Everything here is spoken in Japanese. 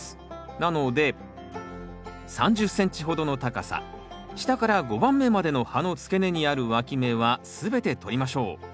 なので３０ｃｍほどの高さ下から５番目までの葉の付け根にあるわき芽は全てとりましょう。